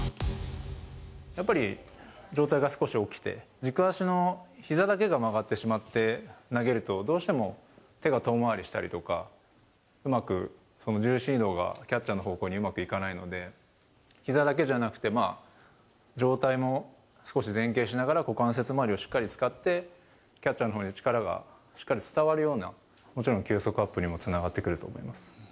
やっぱり上体が少し起きて、軸足のひざだけが曲がってしまって投げると、どうしても手が遠回りしたりとか、うまく重心移動がキャッチャーの方向にうまくいかないので、ひざだけじゃなくて、上体も少し前傾しながら、股関節周りをしっかり使って、キャッチャーのほうに力がしっかり伝わるように、もちろん球速アップにもつながってくると思います。